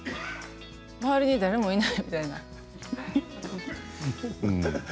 周りに誰もいないみたいな。